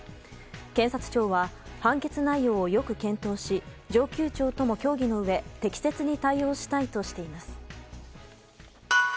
検察庁は判決内容をよく検討し上級庁とも協議のうえ適切に対応したいとしています。